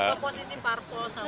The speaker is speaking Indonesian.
komposisi parpol sama